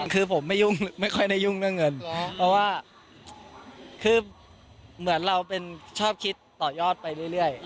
คือผมไม่ยุ่งไม่ค่อยได้ยุ่งเรื่องเงินเพราะว่าคือเหมือนเราเป็นชอบคิดต่อยอดไปเรื่อย